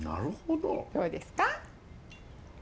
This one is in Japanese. どうですか？